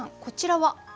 こちらは？